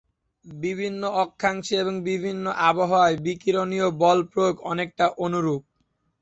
বিভিন্ন অক্ষাংশে এবং বিভিন্ন আবহাওয়ায় বিকিরণীয় বল প্রয়োগ অনেকটা অনুরূপ।